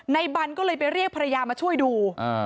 บันก็เลยไปเรียกภรรยามาช่วยดู